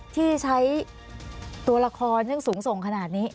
ที่ใช้ตัวละครซึ่งสูงส่งขนาดนี้